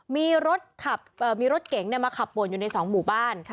มีรถเก๋งมาขับบนอยู่ในสองหมู่บ้าน